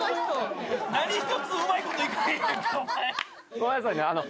ごめんなさいねあの。